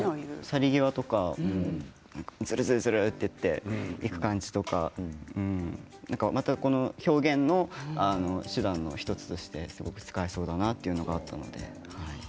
去り際とかずるずるといって行く感じとかこの表現の手段の１つとしてすごく使えそうだなというのがあったので。